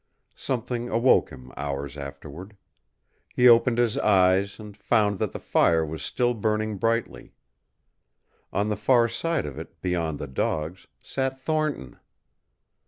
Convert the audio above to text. Something awoke him, hours afterward. He opened his eyes, and found that the fire was still burning brightly. On the far side of it, beyond the dogs, sat Thornton.